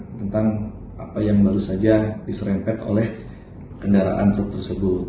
tentang apa yang baru saja diserempet oleh kendaraan truk tersebut